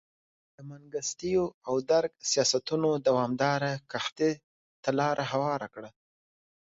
د منګستیو او درګ سیاستونو دوامداره قحطۍ ته لار هواره کړه.